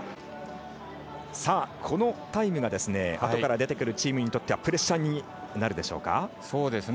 このタイムがあとから出てくるチームにとってはプレッシャーになるでしょうか。